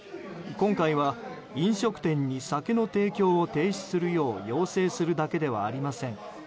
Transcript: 今回は、飲食店に酒の提供を停止するよう要請するだけではありません。